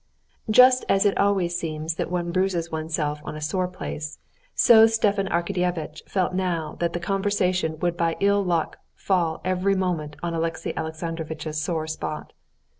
Just as it always seems that one bruises oneself on a sore place, so Stepan Arkadyevitch felt now that the conversation would by ill luck fall every moment on Alexey Alexandrovitch's sore spot.